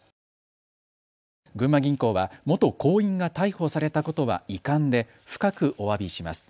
群馬銀行は、元行員が逮捕されたことは遺憾で深くおわびします。